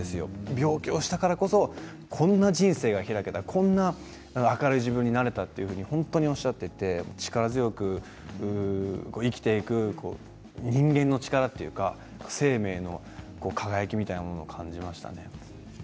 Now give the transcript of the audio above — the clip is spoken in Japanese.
病気をしたからこそこんな人生が開けたこんな明るい自分になれたというふうにおっしゃっていて力強く生きていく人間の力というか生命の輝きみたいなものを感じましたね。